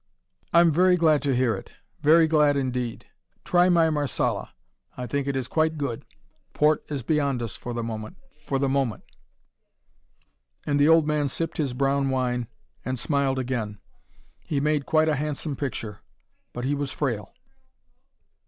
"I'm very glad to hear it; very glad indeed. Try my Marsala I think it is quite good. Port is beyond us for the moment for the moment " And the old man sipped his brown wine, and smiled again. He made quite a handsome picture: but he was frail.